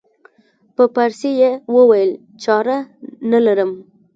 په پارسي یې وویل چاره نه لرم.